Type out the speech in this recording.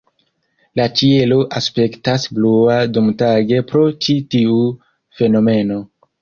La ĉielo aspektas blua dumtage pro ĉi tiu fenomeno.